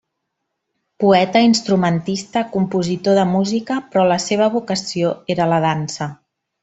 Poeta, instrumentista, compositor de música, però la seva vocació era la dansa.